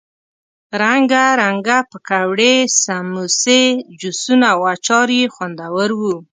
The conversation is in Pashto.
رنګه رنګه پکوړې، سموسې، جوسونه او اچار یې خوندور وو.